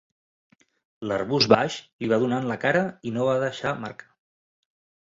L'arbust baix li va donar en la cara i no va deixar marca.